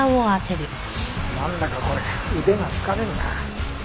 なんだかこれ腕が疲れるな。